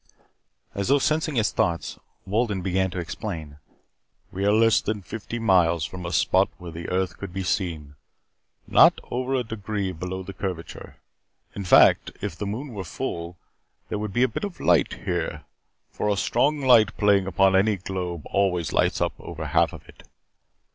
As though sensing his thoughts, Wolden began to explain. "We are less than fifty miles from a spot where the earth could be seen. Not over a degree below the curvature. In fact, if the moon were full, there would be a bit of light here, for a strong light playing upon any globe always lights up over half of it.